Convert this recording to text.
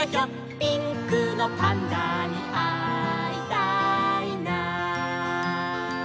「ピンクのパンダにあいたいな」